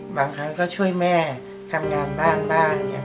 บางครั้งก็ช่วยแม่ทำงานบ้างบ้าง